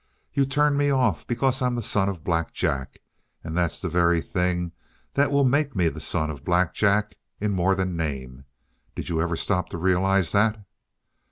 You turn me off because I'm the son of Black Jack; and that's the very thing that will make me the son of Black Jack in more than name. Did you ever stop to realize that?"